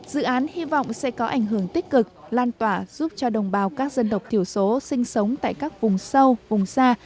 dự án hy vọng sẽ có ảnh hưởng tích cực lan tỏa giúp cho đồng bào các dân tộc thiểu số sinh sống tại các vùng sâu vùng xa